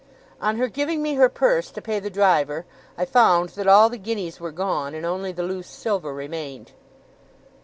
On her giving me her purse to pay the driver, I found that all the guineas were gone, and only the loose silver remained.